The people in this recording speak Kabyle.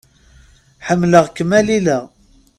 Ḥemmleɣ-kem a Lila.